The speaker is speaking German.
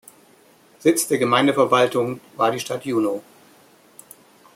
Sitz der Gemeindeverwaltung war die Stadt Juno.